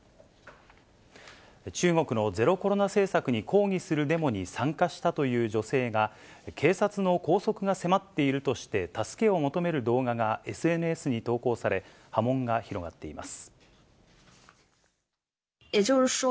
中国のゼロコロナ政策に抗議するデモに参加したという女性が、警察の拘束が迫っているとして、助けを求める動画がＳＮＳに投稿され、波紋が広がっています。